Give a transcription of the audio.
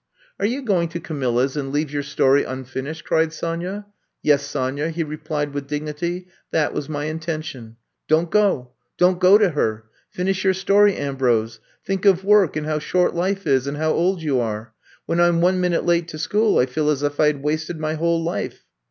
Are you going to Camilla's and leave your story unfinished!" cried Sonya. Yes, Sonya," he replied with dignity. That was my intention." Don 't go ; don 't go to her. Finish your story, Ambrose. Think of work and how short life is and how old you are. When I 'm one minute late to school I feel as if I had wasted my whole life."